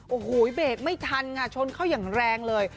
โอ้โหเบรกไม่ทันค่ะชนเข้าอย่างแรงเลย